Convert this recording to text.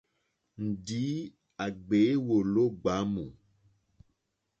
Ndǐ à ɡbě wòló ɡbámù.